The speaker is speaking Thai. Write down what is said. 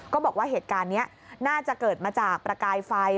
บอกว่าเหตุการณ์นี้น่าจะเกิดมาจากประกายไฟ